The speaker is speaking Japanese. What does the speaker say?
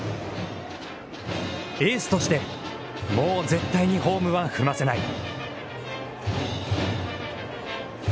エースとして、もう絶対にホームは踏ませない。